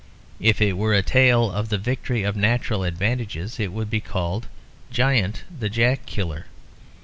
If it were a tale of the victory of natural advantages it would be called "Giant the Jack Killer."